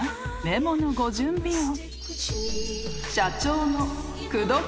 メモのご準備を］